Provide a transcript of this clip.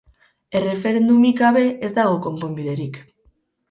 Erreferendumik gabe ez dago konponbiderik.